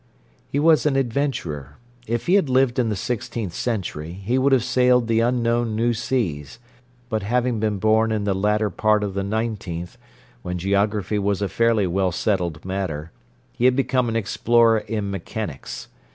He was an adventurer; if he had lived in the sixteenth century he would have sailed the unknown new seas, but having been born in the latter part of the nineteenth, when geography was a fairly well settled matter, he had become an explorer in mechanics.